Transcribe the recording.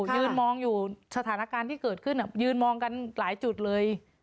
ยืนมองอยู่สถานการณ์ที่เกิดขึ้นยืนมองกันหลายจุดเลย